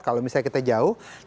kalau misalnya kita jauh